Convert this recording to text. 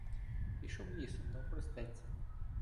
пішов лісом, навпростець.